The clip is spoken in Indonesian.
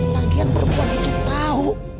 lagian perempuan itu tahu